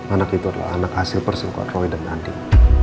anak itu adalah anak hasil persingkat roy dan andin